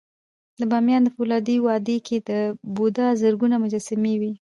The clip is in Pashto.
د بامیانو د فولادي وادي کې د بودا زرګونه مجسمې وې